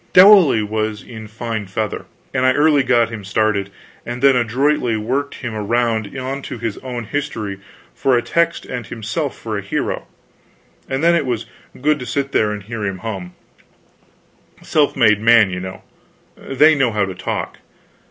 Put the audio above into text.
Dowley was in fine feather, and I early got him started, and then adroitly worked him around onto his own history for a text and himself for a hero, and then it was good to sit there and hear him hum. Self made man, you know. They know how to talk.